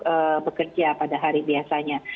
untuk bekerja pada hari biasanya